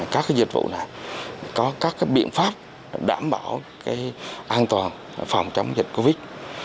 các dịch vụ này có các biện pháp đảm bảo an toàn phòng chống dịch covid